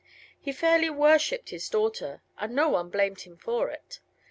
He fairly worshipped his daughter, and no one blamed him for it.